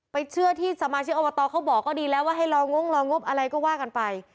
เชื่อที่สมาชิกอบตเขาบอกก็ดีแล้วว่าให้รองงรองบอะไรก็ว่ากันไป